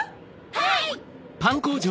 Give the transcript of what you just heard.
はい！